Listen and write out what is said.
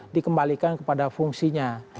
dikembalikan kepada fungsinya